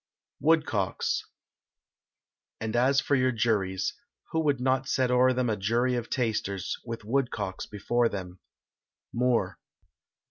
WOODCOCKS. And as for your juries who would not set o'er them A jury of tasters, with woodcocks before them? MOORE.